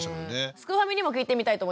すくファミにも聞いてみたいと思います。